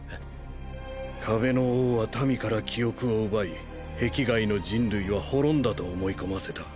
壁の王は民から記憶を奪い壁外の人類は滅んだと思い込ませた。